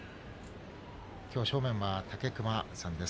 きょう正面は武隈さんです。